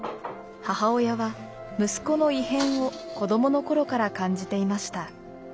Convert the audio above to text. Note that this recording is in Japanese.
母親は息子の異変を子どもの頃から感じていました。